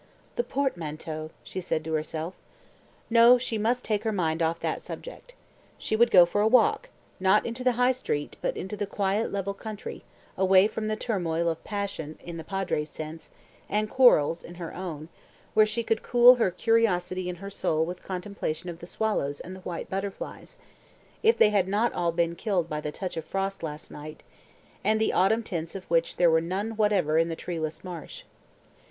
"The portmanteau," she said to herself. ... No; she must take her mind off that subject. She would go for a walk, not into the High Street, but into the quiet level country, away from the turmoil of passion (in the Padre's sense) and quarrels (in her own), where she could cool her curiosity and her soul with contemplation of the swallows and the white butterflies (if they had not all been killed by the touch of frost last night) and the autumn tints of which there were none whatever in the treeless marsh.